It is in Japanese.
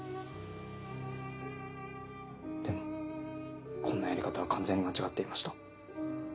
でもこんなやり方は完全に間違っていました。